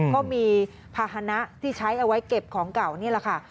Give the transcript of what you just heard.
ก็มีภาษณะที่ใช้เอาไว้เก็บของเก่านี่แหละค่ะ